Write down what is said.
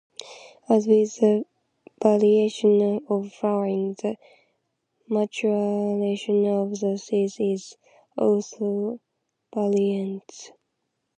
As with the variation of flowering, the maturation of the seeds is also variant.